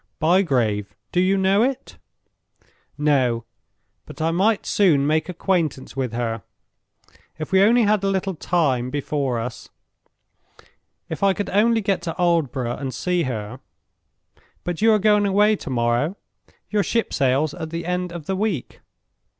"Bygrave. Do you know it?" "No. But I might soon make acquaintance with her. If we only had a little time before us; if I could only get to Aldborough and see her—but you are going away to morrow; your ship sails at the end of the week."